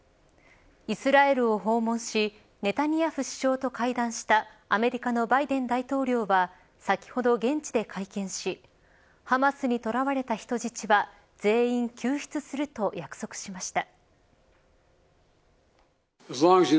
イスラエルを訪問しネタニヤフ首相と会談したアメリカのバイデン大統領は先ほど現地で会見しハマスに捕らわれた人質は全員救出すると約束しました。